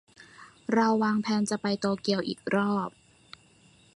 เราวางแพลนจะไปโตเกียวอีกรอบ